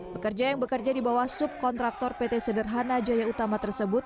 pekerja yang bekerja di bawah subkontraktor pt sederhana jaya utama tersebut